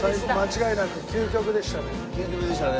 究極でしたね。